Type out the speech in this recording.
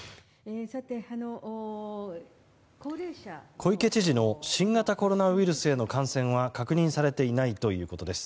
小池知事の新型コロナウイルスへの感染は確認されていないということです。